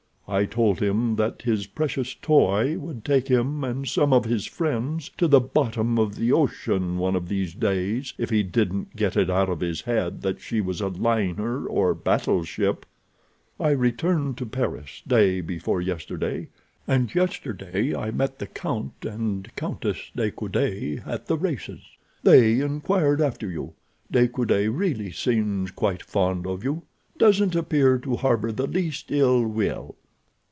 I told him that his precious toy would take him and some of his friends to the bottom of the ocean one of these days if he didn't get it out of his head that she was a liner or a battleship. I returned to Paris day before yesterday, and yesterday I met the Count and Countess de Coude at the races. They inquired after you. De Coude really seems quite fond of you. Doesn't appear to harbor the least ill will.